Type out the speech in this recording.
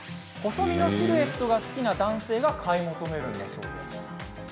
細身のシルエットが好きな男性が買い求めるそうです。